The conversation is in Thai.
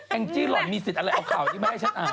งจี้หล่อนมีสิทธิ์อะไรเอาข่าวนี้มาให้ฉันอ่าน